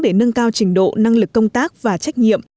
để nâng cao trình độ năng lực công tác và trách nhiệm